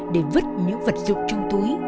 để vứt những vật dụng trong túi